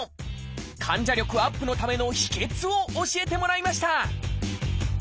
患者力アップのための秘訣を教えてもらいました！